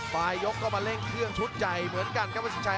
ปลายยกก็มาเร่งเครื่องชุดใหญ่เหมือนกันครับวัสินชัย